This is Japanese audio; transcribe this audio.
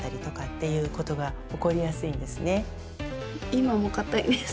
今もかたいです。